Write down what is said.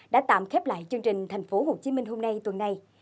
đã tạm khép lại chương trình thành phố hồ chí minh hôm nay tuần này